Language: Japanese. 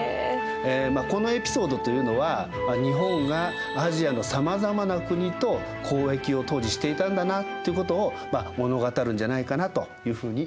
このエピソードというのは日本がアジアのさまざまな国と交易を当時していたんだなということを物語るんじゃないかなというふうに思います。